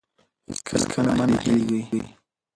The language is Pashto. هېڅکله مه ناهیلي کیږئ.